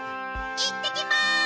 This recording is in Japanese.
いってきます！